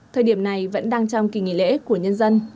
thời điểm này vẫn đang trong kỳ nghỉ lễ của nhân dân